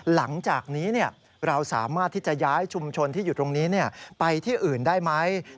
หลังจากนี้เราสามารถที่จะย้ายชุมชนที่อยู่ตรงนี้ไปที่อื่นได้ไหม